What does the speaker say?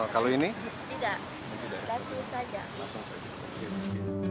kalau ini tidak